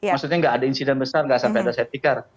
maksudnya nggak ada insiden besar nggak sampai ada septical